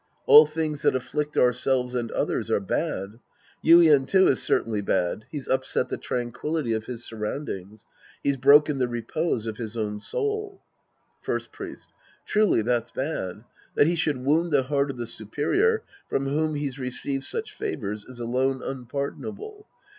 All things that afflict ourselves and others are bad. Yuien, too, is certainly bad. He's upset the tranquillity of his surroundings. He's broken the repose of his own soul. First Priest. Truly that's bad. That he should wound the heart of the superior from whom he's received such favors is alone unpardonable.